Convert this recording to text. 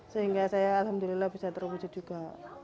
sehingga saya alhamdulillah bisa terwujud juga